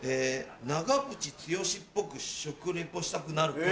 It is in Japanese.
長渕剛っぽく食レポしたくなるプリン。